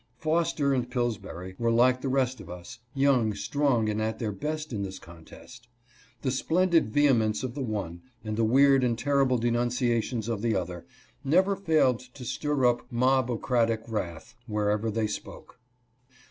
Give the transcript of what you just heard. Foster and Pills bury were like the rest of us, young, strong, and at their best in this contest. The splendid vehemence of the one, and the weird and terrible denunciations of the other, never failed to stir up mobocratic wrath wherever they spoke.